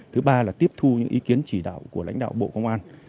thứ ba là tiếp thu những ý kiến chỉ đạo của lãnh đạo bộ công an